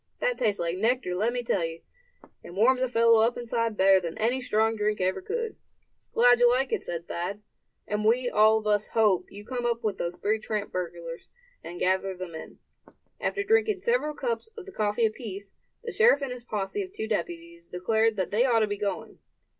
That tastes like nectar, let me tell you: and warms a fellow up inside better than any strong drink could ever do." "Glad you like it," said Thad; "and we all of us hope you come up with those three tramp burglars, and gather them in." After drinking several cups of the coffee apiece, the sheriff and his posse of two deputies declared that they ought to be going.